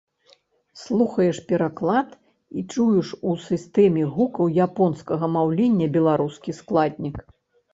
Слухаеш пераклад і чуеш у сістэме гукаў японскага маўлення беларускі складнік.